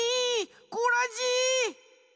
コラジ！